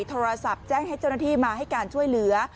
โทรศัพท์แจ้งให้เจ้าหน้าที่มาให้การช่วยเหลือ